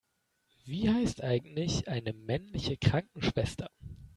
Wie heißt eigentlich eine männliche Krankenschwester?